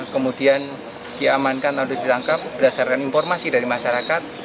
kemudian diamankan atau ditangkap berdasarkan informasi dari masyarakat